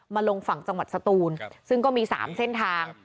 ลงฝั่งจังหวัดสตูนซึ่งก็มี๓เส้นทาง